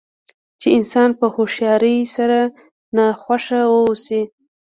چې انسان په هوښیارۍ سره ناخوښه واوسي.